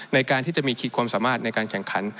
ในการที่จะมีขีดความสามารถในการแข่งขัน